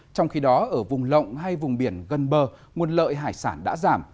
trong khi đó ở vùng lộng hay vùng biển gần bờ nguồn lợi hải sản đã giảm